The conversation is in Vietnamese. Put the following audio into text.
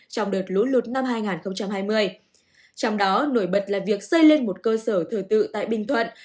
trong đợt lũ lụt năm hai nghìn hai mươi trong đó nổi bật là việc xây lên một cơ sở thờ tự tại bình thuận